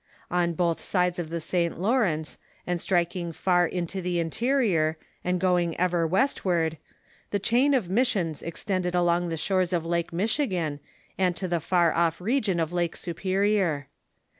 On both sides of the St. I^wrence, and striking far into the interior, and going ever westward, the chain of missions extended along the shores of Lake Michigan, and to the far off region of Lake Superior.